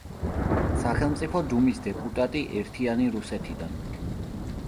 სახელმწიფო დუმის დეპუტატი „ერთიანი რუსეთიდან“.